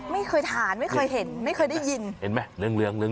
ไม่เคยทานไม่เคยเห็นไม่เคยได้ยิน